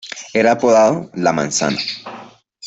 Era apodado "La manzana".